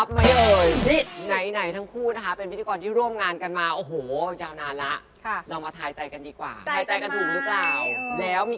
เพียนจะเอามีไมคมาจำนำจริงหรือไม่